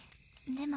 でも。